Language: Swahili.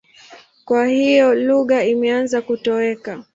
Kwa hiyo lugha imeanza kutoweka.